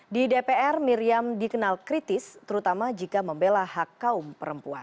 di dpr miriam dikenal kritis terutama jika membela hak kaum perempuan